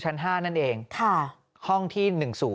ชั้น๕นั่นเองห้องที่๑๐